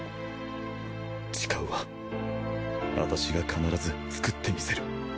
誓うわ私が必ずつくってみせる。